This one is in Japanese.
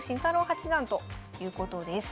八段ということです。